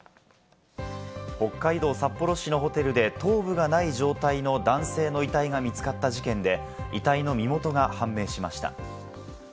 北海道札幌市のホテルで頭部がない状態の男性の遺体が見つかった事件で、遺体の身元が判明しました。